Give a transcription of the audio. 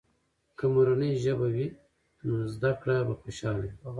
که مورنۍ ژبه وي، نو زده کړه به خوشحاله وي.